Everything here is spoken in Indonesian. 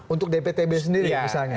untuk dptb sendiri misalnya